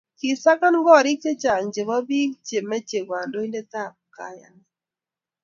kisakan korik chechang' chebo biik che mechei kandoindetab kayane